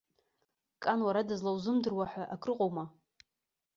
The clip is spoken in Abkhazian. Кан уара дызлаузымдыруа ҳәа акрыҟоума?